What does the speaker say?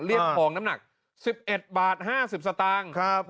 เรียกผ่องน้ำหนักสิบเอ็ดบาทห้าสิบสตางค์ครับ